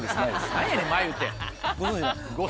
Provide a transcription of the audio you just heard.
何やねんまゆって。